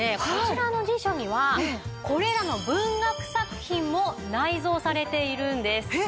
こちらの辞書にはこれらの文学作品も内蔵されているんです。